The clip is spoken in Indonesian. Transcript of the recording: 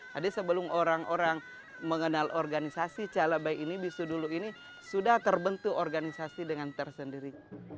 jadi sebelum orang orang mengenal organisasi calabai ini bisu dulu ini sudah terbentuk organisasi dengan tersendiri